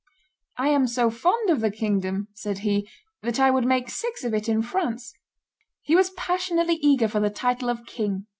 "I am so fond of the kingdom," said he, "that I would make six of it in France." He was passionately eager for the title of king.